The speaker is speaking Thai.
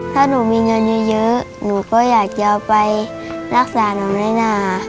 ถ้าหนูมีเงินเยอะหนูก็อยากจะไปรักษาน้องได้นะ